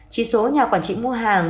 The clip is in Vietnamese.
chỉ số nhà quản trị mua hàng